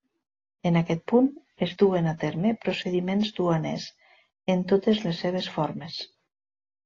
En aquest punt, es duen a terme procediments duaners en totes les seves formes.